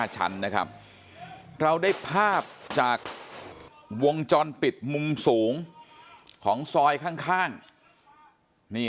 ชั้นนะครับเราได้ภาพจากวงจรปิดมุมสูงของซอยข้างนี่